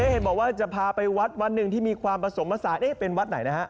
เห็นบอกว่าจะพาไปวัดวัดหนึ่งที่มีความผสมภาษาเป็นวัดไหนนะฮะ